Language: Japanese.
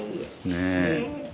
ねえ。